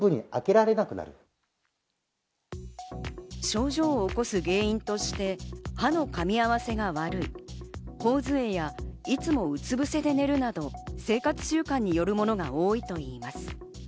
症状を起こす原因として、歯のかみ合わせが悪い、頬杖や、いつもうつぶせで寝るなど、生活習慣によるものが多いといいます。